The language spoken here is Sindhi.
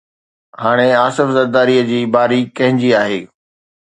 هاڻي آصف زرداريءَ جي باري ڪنهن جي آهي؟